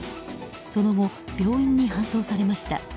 その後、病院に搬送されました。